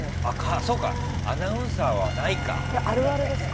そうか、アナウンサーはないか。